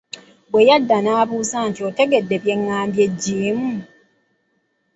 Bwe yadda n'abuuza nti Otegedde bye nnambye Jim?